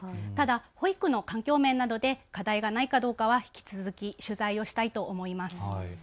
ただ保育の環境面などで課題がないかどうかは引き続き取材をしたいと思います。